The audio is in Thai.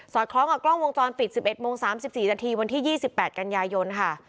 คล้องกับกล้องวงจรปิด๑๑โมง๓๔นาทีวันที่๒๘กันยายนค่ะ